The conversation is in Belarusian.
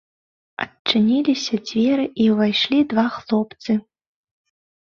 Адчыніліся дзверы, і ўвайшлі два хлопцы.